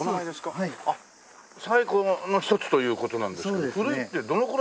最古の一つという事なんですけど古いってどのくらい古いんですか？